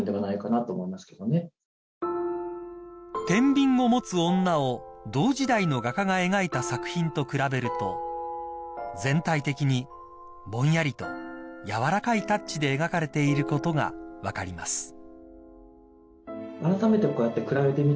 ［『天秤を持つ女』を同時代の画家が描いた作品と比べると全体的にぼんやりとやわらかいタッチで描かれていることが分かります］